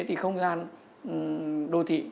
thì không gian đô thị